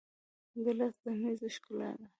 ګیلاس د میز ښکلا ده.